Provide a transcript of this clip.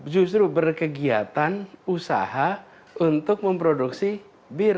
justru berkegiatan usaha untuk memproduksi bir